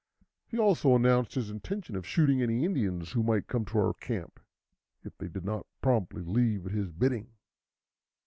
He also announced his intention of shooting any Indians who might come to our camp, if they did not promptly leave at his bidding.